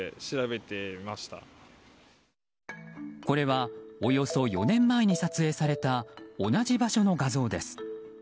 これはおよそ４年前に撮影された同じ場所の画像です。